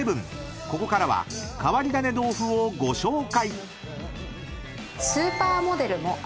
ここからは変わり種豆腐をご紹介］